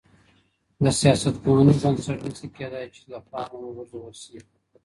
د سياستپوهني بنسټ نسي کېدای چي له پامه وغورځول سي.